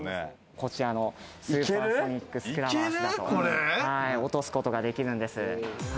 こちらのスーパーソニックスラバーだと落とすことができるんです。